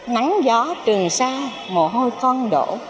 nắng gió trường sa mồ hôi con đổ